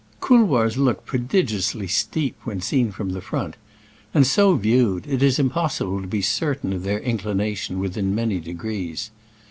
Couloirs look prodigiously steep when seen from the front, and, so viewed, it is impossible to be certain of their incHnation within many de grees.